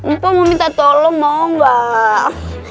mpok mau minta tolong mau gak